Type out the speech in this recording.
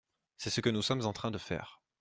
C’est ce que nous sommes en train de faire.